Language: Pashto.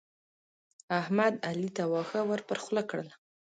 احمد؛ علي ته واښه ور پر خوله کړل.